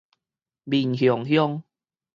民雄鄉